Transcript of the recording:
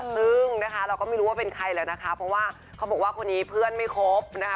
ซึ่งนะคะเราก็ไม่รู้ว่าเป็นใครแล้วนะคะเพราะว่าเขาบอกว่าคนนี้เพื่อนไม่ครบนะคะ